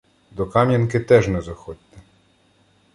До Кам’янки теж не заходьте.